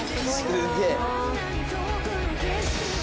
すげえ。